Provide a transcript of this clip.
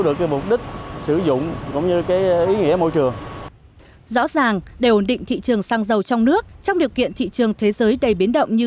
rõ ràng để ổn định thị trường xăng dầu trong nước trong điều kiện thị trường thế giới đầy biến động như